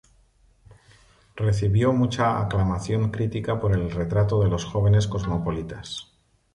Recibió mucha aclamación crítica por el retrato de los jóvenes cosmopolitas.